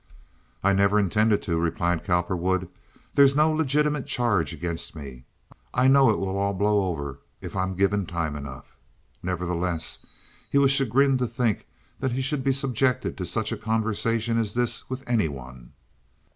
"I never intended to," replied Cowperwood. "There's no legitimate charge against me. I know it will all blow over if I'm given time enough." Nevertheless he was chagrined to think that he should be subjected to such a conversation as this with any one.